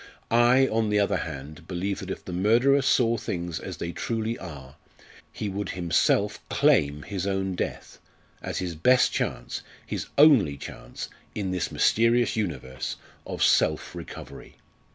I, on the other hand, believe that if the murderer saw things as they truly are, he would himself claim his own death, as his best chance, his only chance in this mysterious universe! of self recovery.